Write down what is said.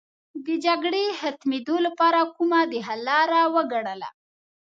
د جګړې ختمېدو لپاره کومه د حل لاره وګڼله.